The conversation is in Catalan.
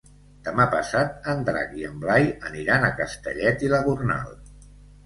Demà passat en Drac i en Blai aniran a Castellet i la Gornal.